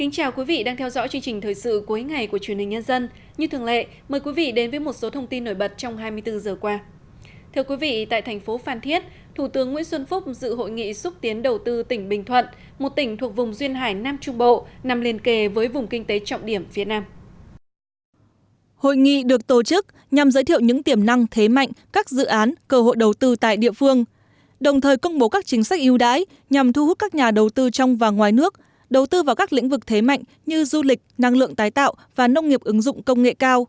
chào mừng quý vị đến với bộ phim hãy nhớ like share và đăng ký kênh của chúng mình nhé